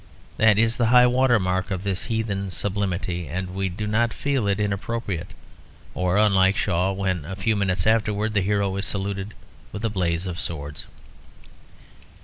That is the high water mark of this heathen sublimity; and we do not feel it inappropriate, or unlike Shaw, when a few minutes afterwards the hero is saluted with a blaze of swords.